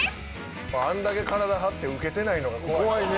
あんだけ体張ってウケてないのが怖いですよね。